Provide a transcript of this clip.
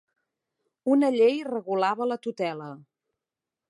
Una llei regulava la tutela.